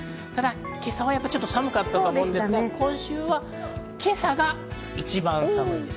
今朝、少し寒かったと思うんですが、今週は今朝が一番寒いです。